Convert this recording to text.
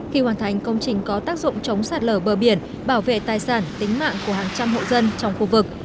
khi hoàn thành công trình có tác dụng chống sạt lở bờ biển bảo vệ tài sản tính mạng của hàng trăm hộ dân trong khu vực